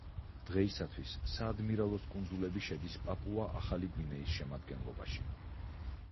დღეისათვის საადმირალოს კუნძულები შედის პაპუა-ახალი გვინეის შემადგენლობაში.